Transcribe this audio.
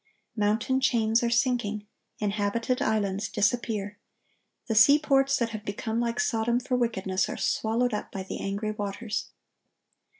Mountain chains are sinking. Inhabited islands disappear. The seaports that have become like Sodom for wickedness, are swallowed up by the angry waters.